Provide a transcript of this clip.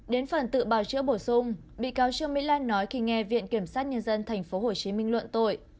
đến phần tự bào chữa bổ sung bị cáo trương mỹ lan nói khi nghe viện kiểm sát nhân dân tp hcm luận tội